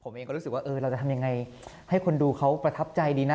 มันนี่มีบทบาทในรักษณ์ผมเห็นก็ว่าเราจะทำยังไงให้คนดูเขาประทับใจดีนะ